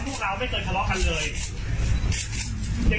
พวกเราไม่เคยทะเลาะกันเลยเงินอย่าง